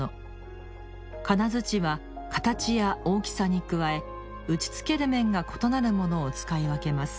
金づちは形や大きさに加え打ちつける面が異なるものを使い分けます。